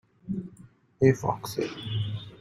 Hey Foxy!